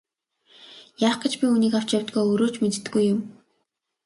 Яах гэж би үүнийг авч явдгаа өөрөө ч мэддэггүй юм.